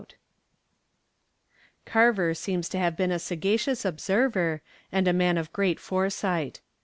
Carver seems to have been a sagacious observer and a man of great foresight.